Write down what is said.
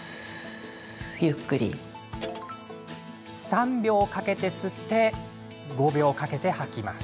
３秒かけて吸って５秒かけて吐きます。